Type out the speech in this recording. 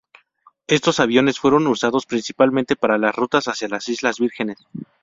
Estos aviones fueron usados, principalmente, para las rutas hacia las Islas Vírgenes.